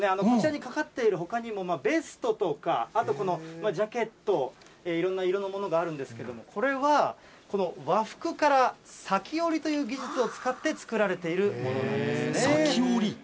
こちらにかかっているほかにも、ベストとか、あとこのジャケット、いろんな色のものがあるんですけど、これは、この和服から裂き織りという技術を使って作られているものなんで裂き織り？